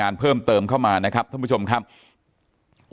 อย่างที่บอกไปว่าเรายังยึดในเรื่องของข้อ